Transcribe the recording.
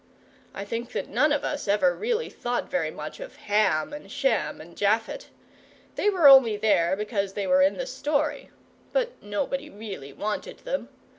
I think that none of us ever really thought very much of Ham and Shem and Japhet. They were only there because they were in the story, but nobody really wanted them.